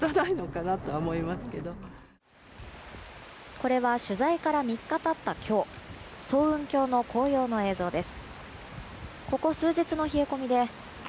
これは取材から３日経った今日層雲峡の紅葉の映像です。